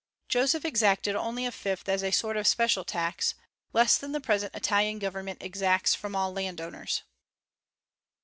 Joseph exacted only a fifth as a sort of special tax, less than the present Italian government exacts from all landowners.